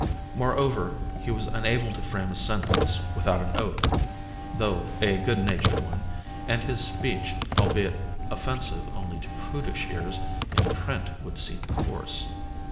Moreover he was unable to frame a sentence without an oath, though a good natured one, and his speech, albeit offensive only to prudish ears, in print would seem coarse.